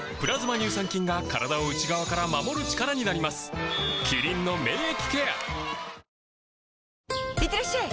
乳酸菌が体を内側から守る力になりますいってらっしゃい！